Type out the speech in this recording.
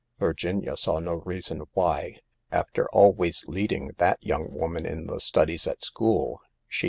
Vir ginia saw no reason why, after always leading that young woman in the studies at school, she 140 SAVE THE GIBLS.